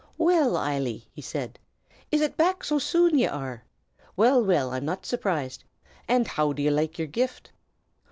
"Well, Eily," he said, "is it back so soon ye are? Well, well, I'm not surprised! And how do ye like yer gift?"